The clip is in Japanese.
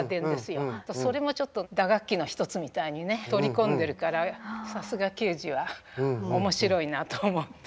それもちょっと打楽器の一つみたいにね取り込んでるからさすがケージは面白いなと思って。